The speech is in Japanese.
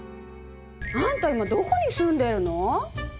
あんた今どこに住んでるの？